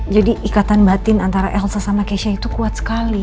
jadi ikatan batin antara elsa sama keisha itu kuat sekali